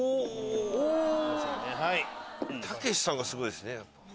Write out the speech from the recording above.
たけしさんがすごいですね。